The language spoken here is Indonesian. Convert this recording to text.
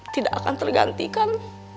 tidak akan tergantikan